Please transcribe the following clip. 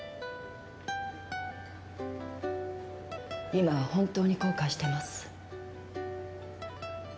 今は本当に後悔してます。